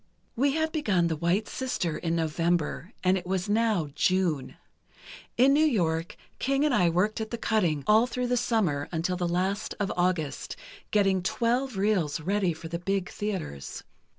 "We had begun 'The White Sister' in November, and it was now June. In New York King and I worked at the cutting, all through the summer, until the last of August, getting twelve reels ready for the big theatres.